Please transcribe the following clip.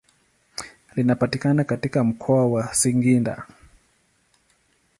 Linapatikana katika mkoa wa Singida.